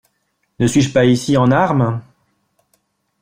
Ne suis-je pas ici en armes?